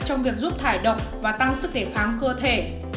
trong việc giúp thải độc và tăng sức đề kháng cơ thể